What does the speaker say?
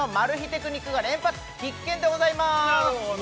テクニックが連発必見でございます